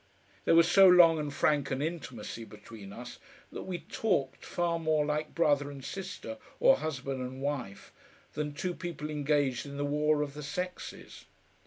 There was so long and frank an intimacy between us that we talked far more like brother and sister or husband and wife than two people engaged in the war of the sexes.